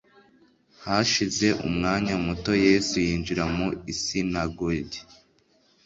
Hashize umwanya muto Yesu yinjira mu isinagogi,